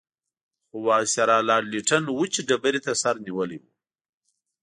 خو وایسرا لارډ لیټن وچې ډبرې ته سر نیولی وو.